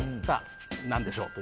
何でしょうと。